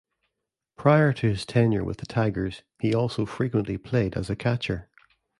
Prior to his tenure with the Tigers, he also frequently played as a catcher.